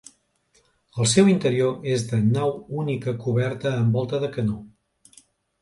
El seu interior és de nau única coberta amb volta de canó.